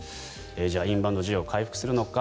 じゃあインバウンド需要回復するのか。